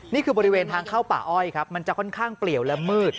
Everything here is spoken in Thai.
นี่คือบริเวณทางเข้าป่าอ้อยครับมันจะค่อนข้างเปลี่ยวและมืด